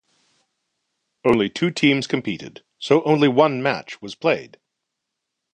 Only two teams competed, so only one match was played.